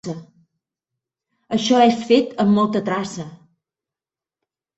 Això és fet amb molta traça.